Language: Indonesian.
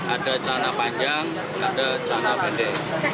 ada celana panjang ada celana pendek